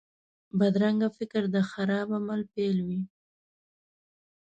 بدرنګه فکر د خراب عمل پیل وي